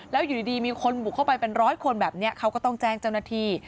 แล้วอยู่ดีมีคนบุกเข้าไปเป็นร้อยคนแบบนี้เขาก็ต้องแจ้งเจ้าหน้าที่